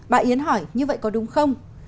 bà yến hỏi như vậy có đúng không